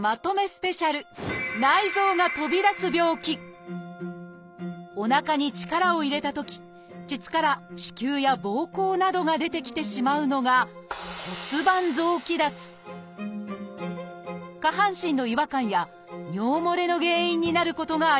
スペシャルおなかに力を入れたとき腟から子宮やぼうこうなどが出てきてしまうのが下半身の違和感や尿もれの原因になることがあります。